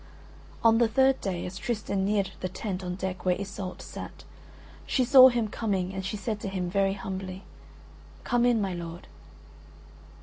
On the third day, as Tristan neared the tent on deck where Iseult sat, she saw him coming and she said to him, very humbly, "Come in, my lord."